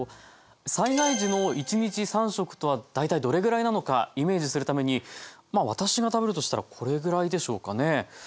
災害時の１日３食とは大体どれぐらいなのかイメージするためにまあ私が食べるとしたらこれぐらいでしょうかね。